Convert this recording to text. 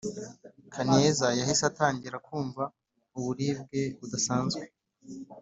kaneza yahise atangira kumva uburibwe budasanzwe